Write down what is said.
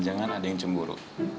jangan ada yang cemburu